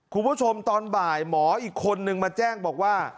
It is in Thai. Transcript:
คุณผู้ชมตอนบ่ายหมออีกคนนึงมาแจ้งบอกว่า